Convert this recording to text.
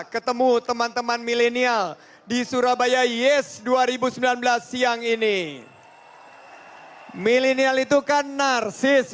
kepo itu adalah kreatif rasional dan sistematis